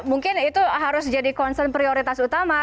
mungkin itu harus jadi concern prioritas utama